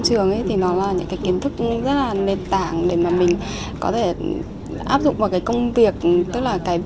hay là những bên liên quan ấy